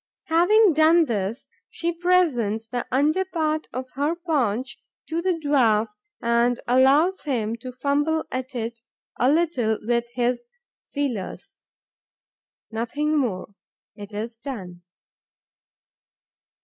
Having done this, she presents the under part of her paunch to the dwarf and allows him to fumble at it a little with his feelers. Nothing more: it is done.